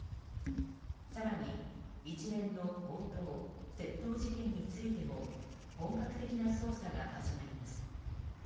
更に、一連の強盗・窃盗事件についても本格的な捜査が始まります。